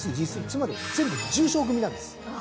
つまり全部重賞組なんです。はあ。